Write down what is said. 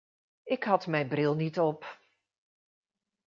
Ik had mijn bril niet op.